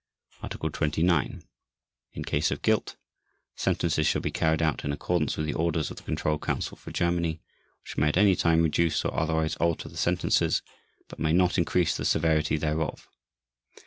Article 29. In case of guilt, sentences shall be carried out in accordance with the orders of the Control Council for Germany, which may at any time reduce or otherwise alter the sentences, but may not increase the severity thereof.